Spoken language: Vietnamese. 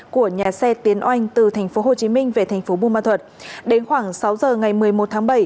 của nhà xe tiến oanh từ tp hồ chí minh về tp bumal thuật đến khoảng sáu giờ ngày một mươi một tháng bảy